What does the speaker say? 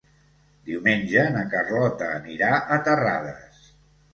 Diumenge na Carlota anirà a Terrades.